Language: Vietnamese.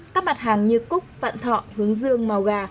các mặt hàng như cúc vạn thọ hướng dương màu gà